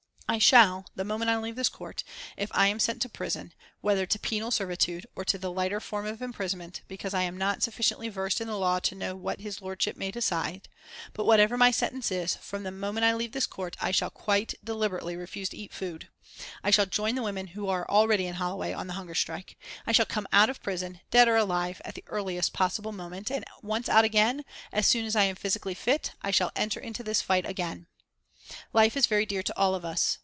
I shall, the moment I leave this court, if I am sent to prison, whether to penal servitude or to the lighter form of imprisonment because I am not sufficiently versed in the law to know what his lordship may decide; but whatever my sentence is, from the moment I leave this court I shall quite deliberately refuse to eat food I shall join the women who are already in Holloway on the hunger strike. I shall come out of prison, dead or alive, at the earliest possible moment; and once out again, as soon as I am physically fit I shall enter into this fight again. Life is very dear to all of us.